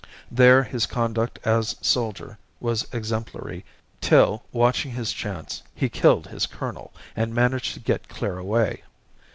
There his conduct as soldier was exemplary, till, watching his chance, he killed his colonel, and managed to get clear away.